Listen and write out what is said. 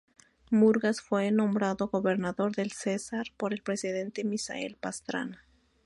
Murgas fue nombrado gobernador del Cesar por el presidente Misael Pastrana.